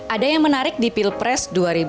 ada yang menarik di pilpres dua ribu sembilan belas